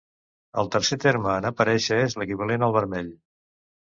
El tercer terme en aparèixer és l'equivalent al vermell.